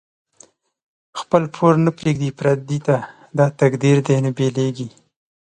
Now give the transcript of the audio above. خپل پور نه پریږدی پردی ته، دا تقدیر دۍ نه بیلیږی